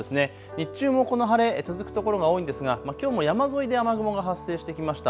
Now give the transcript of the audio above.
日中もこの晴れ、続く所が多いですがきょうも山沿いで雨雲が発生してきました。